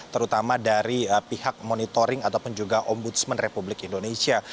terutama dari pihak monitoring ataupun juga ombudsman republik indonesia